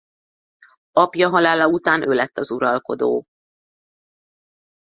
Apja halála utána ő lett az uralkodó.